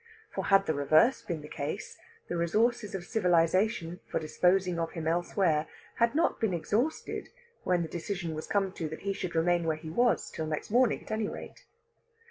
For had the reverse been the case, the resources of civilisation for disposing of him elsewhere had not been exhausted when the decision was come to that he should remain where he was; till next morning, at any rate.